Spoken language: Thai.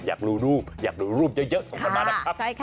อยากรู้รูปอยากดูรูปเยอะส่งกันมานะครับ